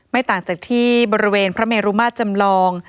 ต่างจากที่บริเวณพระเมรุมาตรจำลอง